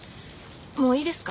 もういいですか？